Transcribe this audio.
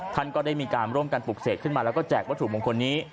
ท่านก็ได้มีการร่วมกันปลูกเสกขึ้นมาแล้วก็แจกวัตถุมงคลนี้